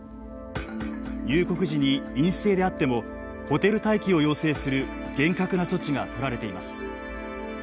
入国時に陰性であってもホテル待機を要請する厳格な措置がとられています。